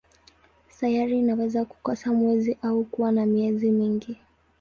Sayari inaweza kukosa mwezi au kuwa na miezi mingi.